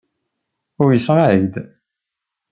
Ulseɣ-ak-d.